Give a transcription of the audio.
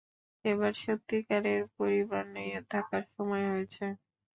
এবার সত্যিকারের পরিবার নিয়ে থাকার সময় হয়েছে।